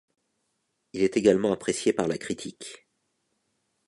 Il est également apprécié par la critique.